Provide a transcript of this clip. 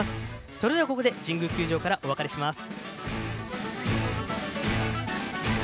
それでは、ここで神宮球場からお別れします。